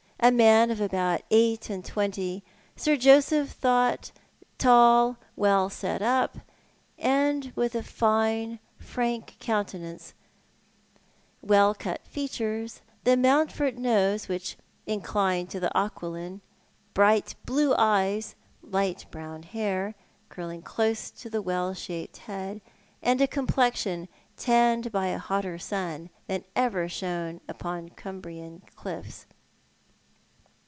A man of about eight and twenty, Sir Joseph thought, tall, well set up, with a fine, frank countenance, well cut features, the Mountford nose, which inclined to the aquiline, bright blue eyes, light brown hair, curling close to the well shaped head, and a complexion tanned by a hotter sun tban ever shone upon Cumbrian cliffs.